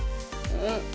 うん。